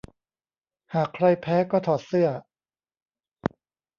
หากใครแพ้ก็ถอดเสื้อ